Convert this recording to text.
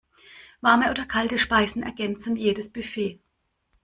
Warme oder kalte Speisen ergänzen jedes Buffet.